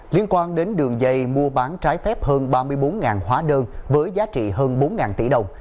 liên quan đến đường dây mua bán trái phép hơn ba mươi bốn hóa đơn với giá trị hơn bốn tỷ đồng